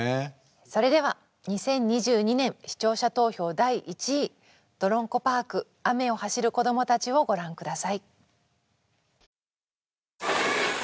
それでは２０２２年視聴者投票第１位「“どろんこパーク”雨を走る子どもたち」をご覧下さい。